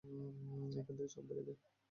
এখান থেকে সব দেখা যায়।